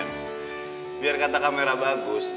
biar kata kamera bagus